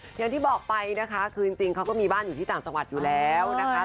อย่างที่บอกไปนะคะคือจริงเขาก็มีบ้านอยู่ที่ต่างจังหวัดอยู่แล้วนะคะ